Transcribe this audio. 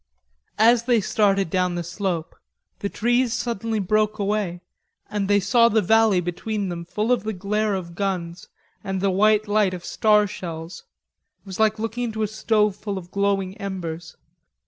As they started down the slope, the trees suddenly broke away and they saw the valley between them full of the glare of guns and the white light of star shells. It was like looking into a stove full of glowing embers.